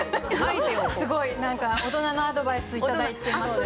すごい何か大人のアドバイス頂いてます。